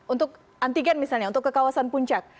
untuk antigen misalnya untuk kekawasan puncak